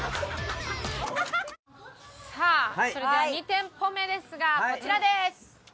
さあそれでは２店舗目ですがこちらです！